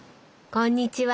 こんにちは。